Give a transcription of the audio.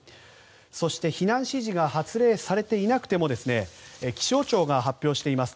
そして、避難指示が発令されていなくても気象庁が発表しています